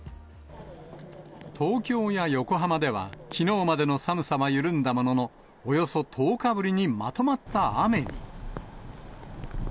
東京や横浜では、きのうまでの寒さは緩んだものの、およそ１０日ぶりにまとまった雨に。